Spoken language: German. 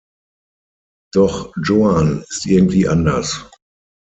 Doch Joan ist irgendwie anders.